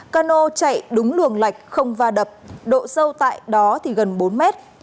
cano chạy đúng luồng lạch không va đập độ sâu tại đó thì gần bốn mét